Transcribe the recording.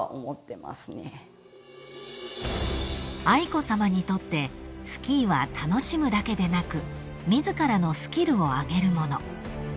［愛子さまにとってスキーは楽しむだけでなく自らのスキルを上げるもの］